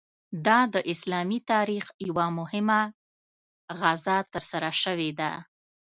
دا د اسلامي تاریخ یوه مهمه غزا ترسره شوې ده.